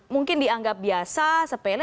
mungkin dianggap biasa sepele